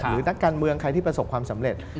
นักการเมืองใครที่ประสบความสำเร็จ